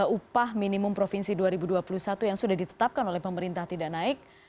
upah minimum provinsi dua ribu dua puluh satu yang sudah ditetapkan oleh pemerintah tidak naik